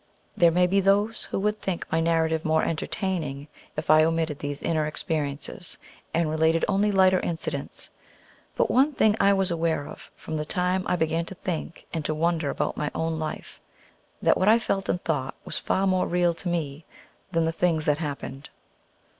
There may be those who would think my narrative more entertaining, if I omitted these inner experiences, and related only lighter incidents. But one thing I was aware of, from the time I began to think and to wonder about my own life that what I felt and thought was far more real to me than the things that happened.